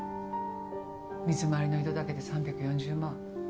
水回りの移動だけで３４０万。